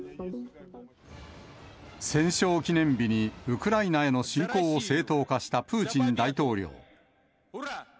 戦勝記念日に、ウクライナへの侵攻を正当化したプーチン大統領。